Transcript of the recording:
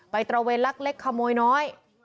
ตระเวนลักเล็กขโมยน้อย